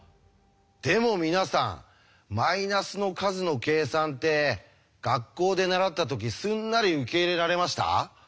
でも皆さんマイナスの数の計算って学校で習った時すんなり受け入れられました？